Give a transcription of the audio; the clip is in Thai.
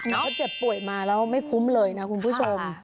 เขาเจ็บป่วยมาแล้วไม่คุ้มเลยนะคุณผู้ชม